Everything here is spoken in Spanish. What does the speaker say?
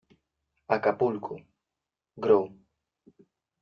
Acapulco, Gro.